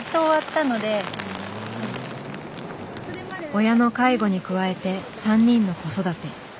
親の介護に加えて３人の子育て。